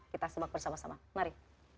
kita simak bersama sama mari